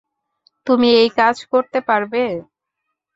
তুমি এই কাজ করতে পারবে?